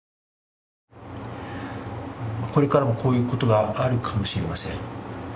これからもこういうことがあるかもしれません。